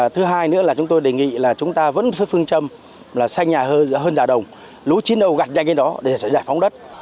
thứ hai nữa là chúng tôi đề nghị là chúng ta vẫn phương châm là xanh nhà hơn giả đồng lúa chín đầu gặt nhanh như đó để giải phóng đất